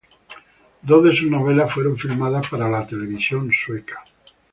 Dos de sus novelas fueron filmadas para la televisión sueca.